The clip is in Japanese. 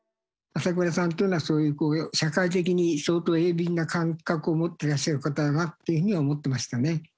朝倉さんというのはそういう社会的に相当鋭敏な感覚を持ってらっしゃる方だなというふうに思ってましたね。